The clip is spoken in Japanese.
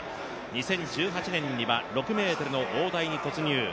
２０１８年には６ｍの大台に突入。